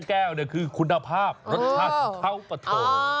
แก้วเนี่ยคือคุณภาพรสชาติเค้าประโถ่